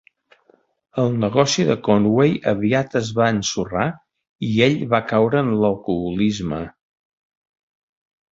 El negoci de Conway aviat es va ensorrar i ell va caure en l'alcoholisme.